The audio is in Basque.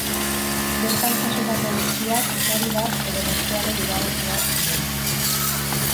Bertan jasotako guztiak sari bat edo bestearen irabazleak ziren.